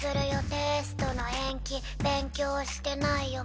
テストの延期勉強してないよ